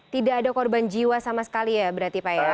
tidak ada korban jiwa sama sekali ya berarti pak ya